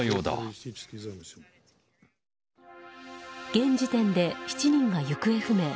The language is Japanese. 現時点で、７人が行方不明。